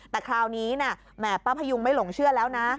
แต่คราวนี้แหมป้าพยุงไม่หลงเชื่อแล้วนะ